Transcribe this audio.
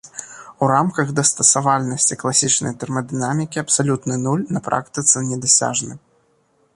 У рамках дастасавальнасці класічнай тэрмадынамікі абсалютны нуль на практыцы недасяжны.